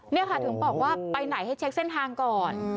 ไม่ใช่ว่าไปไหนให้เช็กเส้นทางก่อน